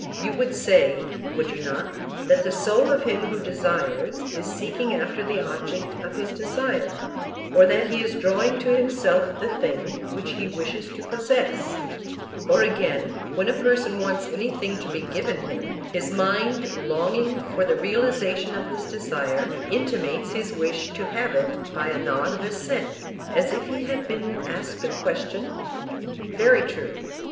You would say—would you not?—that the soul of him who desires is seeking after the object of his desire; or that he is drawing to himself the thing which he wishes to possess: or again, when a person wants anything to be given him, his mind, longing for the realization of his desire, intimates his wish to have it by a nod of assent, as if he had been asked a question? Very true.